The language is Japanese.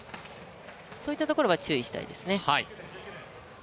そういったところは注意したいですね。